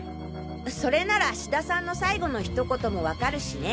それなら志田さんの最期の一言も分かるしね。